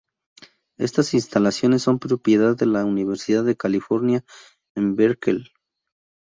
Estas instalaciones son propiedad de la Universidad de California en Berkeley.